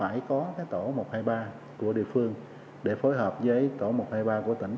các địa phương chỉ phải có tổ một trăm hai mươi ba của địa phương để phối hợp với tổ một trăm hai mươi ba của tỉnh